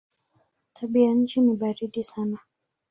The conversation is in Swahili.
Tabianchi ni baridi sana.